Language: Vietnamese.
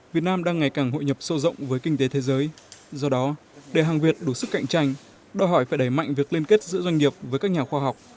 việt nam đang ngày càng hội nhập sâu rộng với kinh tế thế giới do đó để hàng việt đủ sức cạnh tranh đòi hỏi phải đẩy mạnh việc liên kết giữa doanh nghiệp với các nhà khoa học